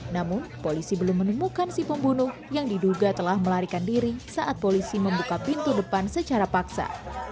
namun polisi belum menemukan si pembunuh yang diduga telah melarikan diri saat polisi membuka pintu depan secara paksa